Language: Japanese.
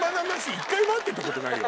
一回も合ってたことないよ。